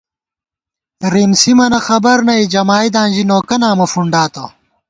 رِم سِمَنہ خبر نئی، جمائیداں ژی نوکہ نامہ فُنڈاتہ